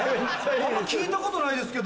あんま聞いたことないですけど。